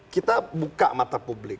kita buka mata publik